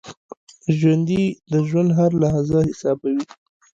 ژوندي د ژوند هره لحظه حسابوي